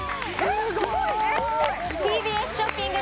えっえっＴＢＳショッピング